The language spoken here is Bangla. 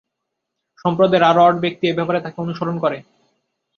সম্প্রদায়ের আরও আট ব্যক্তি এ ব্যাপারে তাকে অনুসরণ করে।